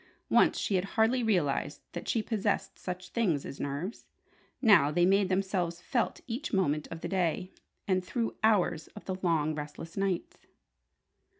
Once she had hardly realized that she possessed such things as nerves. Now they made themselves felt each moment of the day, and through hours of the long, restless nights.